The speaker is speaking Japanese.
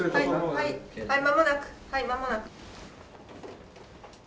はい間もなくはい間もなく。